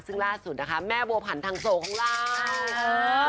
ซึ่งล่าสุดนะคะแม่บัวผันทางโสของเรา